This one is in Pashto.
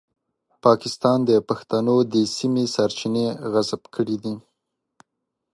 پاکستان د پښتنو د سیمې سرچینې غصب کوي.